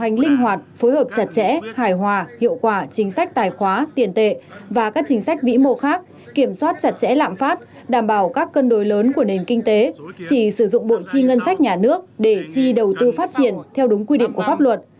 hành linh hoạt phối hợp chặt chẽ hài hòa hiệu quả chính sách tài khoá tiền tệ và các chính sách vĩ mô khác kiểm soát chặt chẽ lạm phát đảm bảo các cân đối lớn của nền kinh tế chỉ sử dụng bộ chi ngân sách nhà nước để chi đầu tư phát triển theo đúng quy định của pháp luật